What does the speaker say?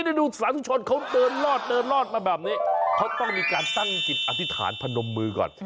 นี่ดูสาธุชนเขาเดินรอดเดินรอดมาแบบนี้เขาต้องมีการตั้งจิตอธิษฐานพนมมือก่อน